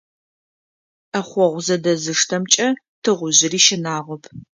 Ӏэхъогъу зэдэзыштэмкӏэ тыгъужъыри щынагъоп.